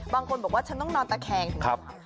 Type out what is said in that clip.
บางคนบอกว่าฉันต้องนอนตะแคงถึงขนาด